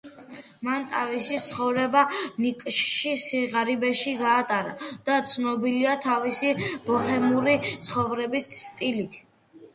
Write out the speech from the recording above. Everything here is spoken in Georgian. მან ტავისი ცხოვრება ნიკშიჩში, სიღარიბეში გაატარა და ცნობილია თავისი ბოჰემური ცხოვრების სტილით.